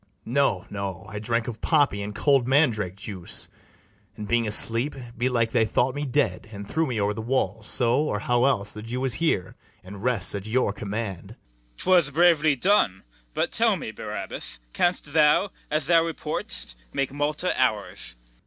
BARABAS. No, no: I drank of poppy and cold mandrake juice; And being asleep, belike they thought me dead, And threw me o'er the walls: so, or how else, The Jew is here, and rests at your command. CALYMATH. 'Twas bravely done: but tell me, Barabas, Canst thou, as thou report'st, make Malta ours? BARABAS.